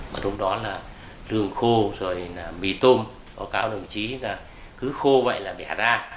mà lúc đó là đường khô rồi là mì tôm ở cao đường trí là cứ khô vậy là bẻ ra